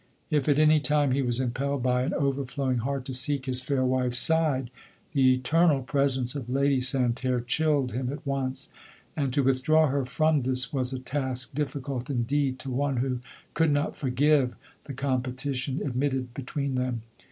Tf at any time he was im pelled by an overflowing heart to seek his fair wife's side, the eternal presence of Ladv San terre chilled him at once; and to withdraw her from this was a task difficult indeed to one who could not forgive the competition admitted be tween them.